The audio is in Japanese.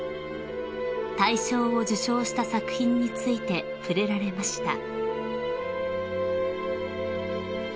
［大賞を受賞した作品について触れられました］